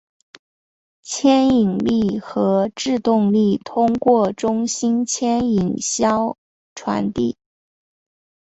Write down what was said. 牵引力和制动力通过中心牵引销传递。